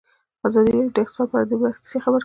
ازادي راډیو د اقتصاد په اړه د عبرت کیسې خبر کړي.